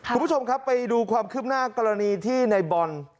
คุณผู้ชมครับไปดูความคืบหน้ากรณีที่ในบอล